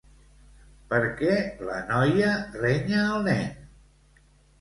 Per què la noia renya el nen?